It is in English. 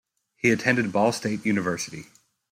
He attended Ball State University.